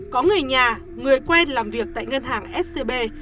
có người nhà người quen làm việc tại ngân hàng scb